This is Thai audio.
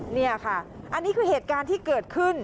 นี่ค่ะอันนี้คือเหตุการณ์ที่เกิดขึ้น